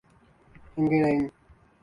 Hungarian